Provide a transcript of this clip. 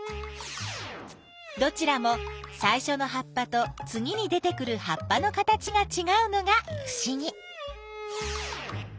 どちらもさいしょの葉っぱとつぎに出てくる葉っぱの形がちがうのがふしぎ。